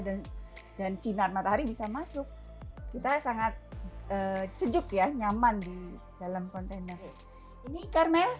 dan dan sinar matahari bisa masuk kita sangat sejuk ya nyaman di dalam kontainer ini karena